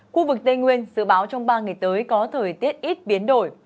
khu vực tây nguyên dự báo trong ba ngày tới có thời tiết ít biến đổi